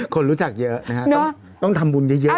คนรู้จักเยอะนะฮะต้องทำบุญเยอะ